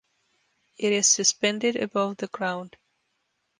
It is suspended above the ground.